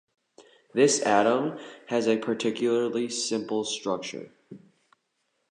This atom has a particularly simple structure.